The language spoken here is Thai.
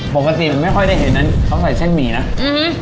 ปกติมันไม่ค่อยได้เห็นนั้นเขาใส่เส้นหมี่นะอืม